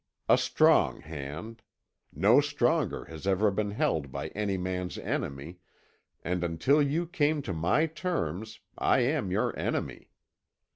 A strong hand. No stronger has ever been held by any man's enemy, and until you come to my terms, I am your enemy.